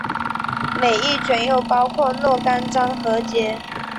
每一卷又包括若干章和节。